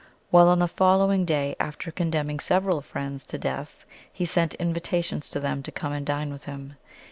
while on the following day, after condemning several friends to death, he sent invitations to them to come and dine with him.